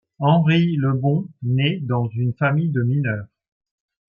Henri Lebon nait dans une famille de mineurs.